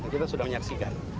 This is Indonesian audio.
kita sudah menyaksikan